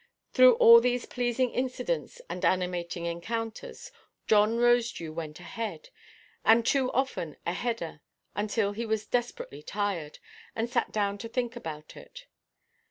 Through all these pleasing incidents and animating encounters John Rosedew went ahead, and, too often, a "header," until he was desperately tired, and sat down to think about it.